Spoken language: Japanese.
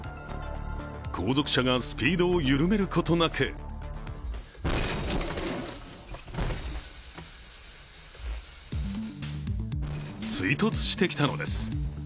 後続車がスピードを緩めることなく追突してきたのです。